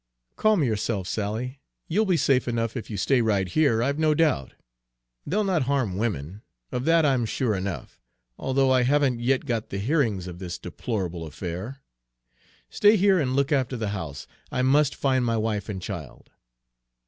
"Calm yourself, Sally. You'll be safe enough if you stay right here, I 'we no doubt. They'll not harm women, of that I'm sure enough, although I haven't yet got the bearings of this deplorable affair. Stay here and look after the house. I must find my wife and child!"